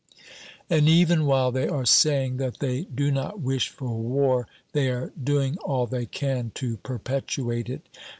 And even while they are saying that they do not wish for war they are doing all they can to perpetuate it.